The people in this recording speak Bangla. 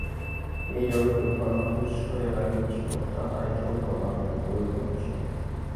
এই জগতের উপাদান তো ঈশ্বরের আগেও ছিল এবং তাঁহার এইসব উপাদানের প্রয়োজন ছিল।